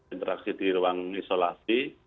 interaksi di ruang isolasi